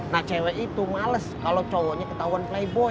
nah cewek itu males kalo cowoknya ketahuan playboy